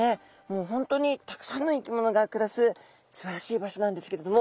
もう本当にたくさんの生き物が暮らすすばらしい場所なんですけれども。